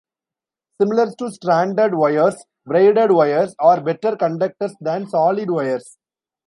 Similar to stranded wires, braided wires are better conductors than solid wires.